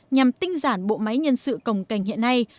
nhằm tinh giản bộ máy nhân sự còng cành hiện nay